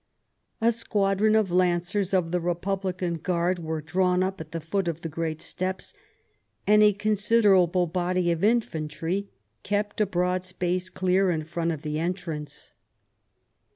A squadron of Lancers of the Republican Guard was drawn up at the foot of the great steps, and a considerable body of infantry kept a broad space clear in front of the entrance.